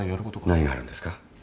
何があるんですか？